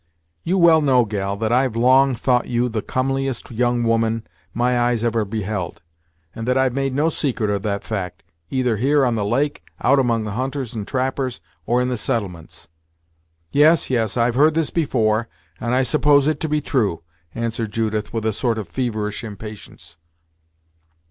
You well know, gal, that I've long thought you the comeliest young woman my eyes ever beheld, and that I've made no secret of that fact, either here on the lake, out among the hunters and trappers, or in the settlements." "Yes yes, I've heard this before, and I suppose it to be true," answered Judith with a sort of feverish impatience.